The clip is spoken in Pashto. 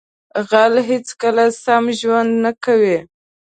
غل هیڅکله سم ژوند نه کوي